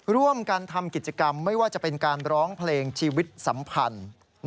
ร่วมกันทำกิจกรรมไม่ว่าจะเป็นการร้องเพลงชีวิตสัมพันธ์